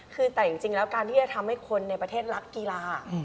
คือแต่จริงแล้วการที่จะทำให้คนในประเทศรักกีฬา